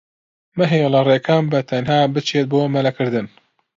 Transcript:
مەهێڵە ڕێکان بەتەنها بچێت بۆ مەلەکردن.